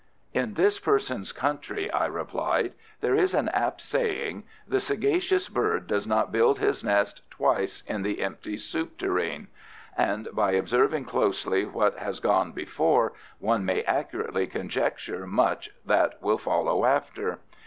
"In this person's country," I replied, "there is an apt saying, 'The sagacious bird does not build his nest twice in the empty soup toureen,' and by observing closely what has gone before one may accurately conjecture much that will follow after."